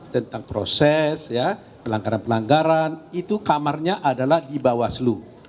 tentang proses pelanggaran pelanggaran itu kamarnya adalah di bawaslu